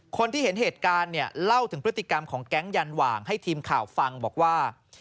คนที่เห็นเหตุการณ์เนี่ยเล่าถึงพฤติกรรมของแก๊งยันหว่างให้ทีมข่าวฟังบอกว่า